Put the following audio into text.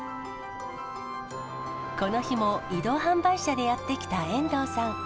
この日も移動販売車でやって来た遠藤さん。